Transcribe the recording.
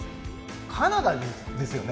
カナダですよね？